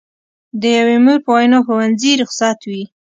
د یوې مور په وینا ښوونځي رخصت وي.